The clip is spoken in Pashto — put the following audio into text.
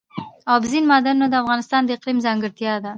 اوبزین معدنونه د افغانستان د اقلیم ځانګړتیا ده.